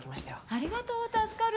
ありがとう助かる。